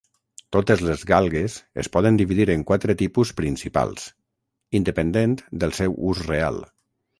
Totes les galgues es poden dividir en quatre tipus principals, independent del seu ús real.